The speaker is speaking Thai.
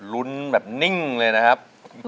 รุ้นแบบนิ่งเลยนะครับ